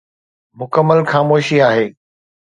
مڪمل خاموشي آهي.